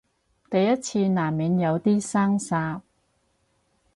第一次難免有啲生澀